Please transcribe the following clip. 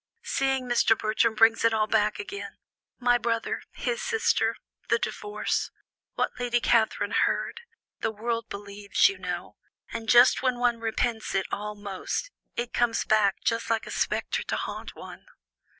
Seeing Mr. Bertram brings it all back again my brother, his sister the divorce what Lady Catherine heard, the world believes, you know and just when one repents it all most, it comes back just like a spectre to haunt one."